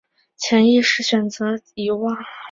是潜意识选择遗忘